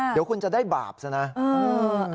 เดี๋ยวคุณจะได้บาปใช่ไหม